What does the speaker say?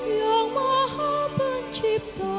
yang maha pencipta